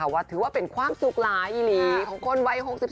ว่าถือว่าเป็นความสุขหลายอีหลีของคนวัย๖๔